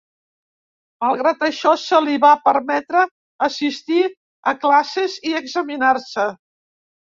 Malgrat això se li va permetre assistir a classes i examinar-se.